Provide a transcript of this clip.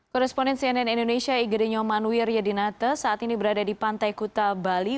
koresponen cnn indonesia igede nyoman wiryadinate saat ini berada di pantai kuta bali